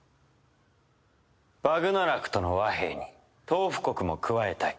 バグナラクとの和平にトウフ国も加えたい。